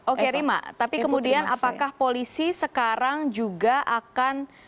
oke rima tapi kemudian apakah polisi sekarang juga akan